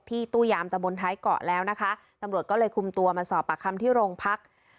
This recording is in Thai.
ตู้ยามตะบนท้ายเกาะแล้วนะคะตำรวจก็เลยคุมตัวมาสอบปากคำที่โรงพัก